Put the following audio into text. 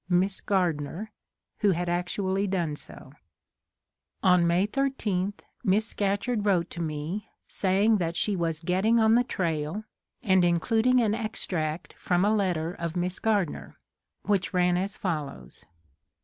Miss Gardner, who had actually done so. On May 13 Miss Scatcherd wrote to me saying that she was getting on the trail, and including an extract from a letter of Miss Gardner, which ran as follows.